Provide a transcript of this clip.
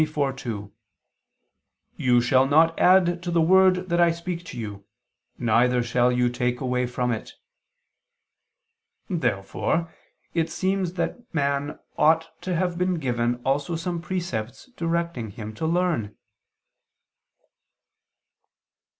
4:2), "You shall not add to the word that I speak to you, neither shall you take away from it." Therefore it seems that man ought to have been given also some precepts directing him to learn.